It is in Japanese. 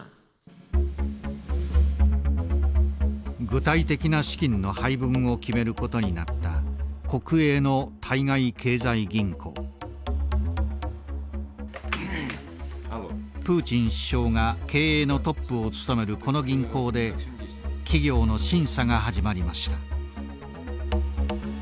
具体的な資金の配分を決めることになった国営のプーチン首相が経営のトップを務めるこの銀行で企業の審査が始まりました。